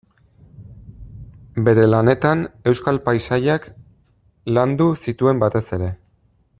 Bere lanetan euskal paisaiak landu zituen batez ere.